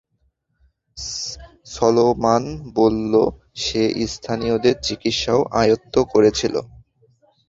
Solomon বলল, সে স্থানীয়দের চিকিৎসাও আয়ত্ত্ব করেছিল।